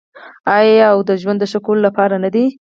آیا او د ژوند د ښه کولو لپاره نه دی؟